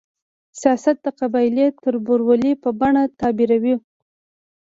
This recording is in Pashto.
سیاست د قبایلي تربورولۍ په بڼه تعبیروو.